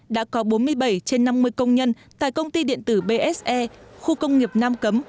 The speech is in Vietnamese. đã có bốn mươi bảy trên năm mươi công nhân tại công ty điện tử bse khu công nghiệp nam cấm